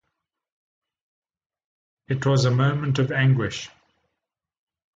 It was a moment of anguish.